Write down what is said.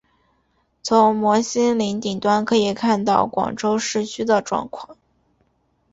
从摩星岭顶端可以看到广州市区的状况。